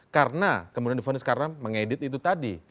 karena kemudian di fonis karena mengedit itu tadi